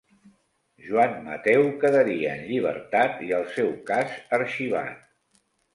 Joan Mateu quedaria en llibertat i el seu cas arxivat.